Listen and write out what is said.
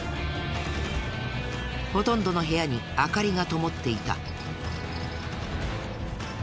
ほとんどの部屋に明かりがともっていた。